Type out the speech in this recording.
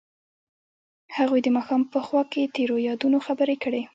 هغوی د ماښام په خوا کې تیرو یادونو خبرې کړې.